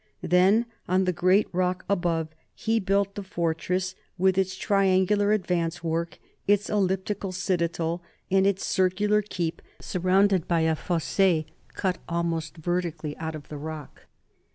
Then on the great rock above he built the fortress, with its triangular advance work, its elliptical citadel, and its circular keep surrounded by a "fosse cut almost vertically out of the rock."